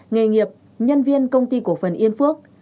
nghề nghiệp nhân viên công ty cổ phần yên phước